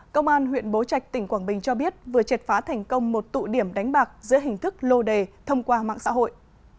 công an huyện bố trạch tỉnh quảng bình cho biết vừa triệt phá thành công một tụ điểm đánh bạc giữa hình thức lô đề thông qua mạng xã hội